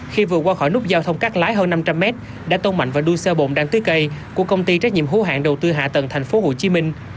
khi vừa qua khỏi nút giao thông cắt lái hơn năm trăm linh mét đã tông mạnh vào đuôi xe bồn đang tưới cây của công ty trách nhiệm hữu hạn đầu tư hạ tầng thành phố hồ chí minh